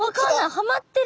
はまってる！